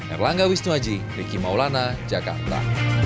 erlangga wisnuaji riki maulana jakarta